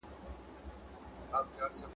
مځکه به کړو خپله له اسمان سره به څه کوو !.